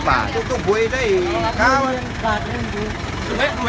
สวัสดีครับทุกคน